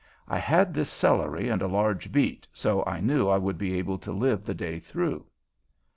I had this celery and a large beet, so I knew I would be able to live the day through.